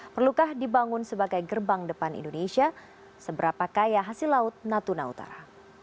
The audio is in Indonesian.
perlukah dibangun sebagai gerbang depan indonesia seberapa kaya hasil laut natuna utara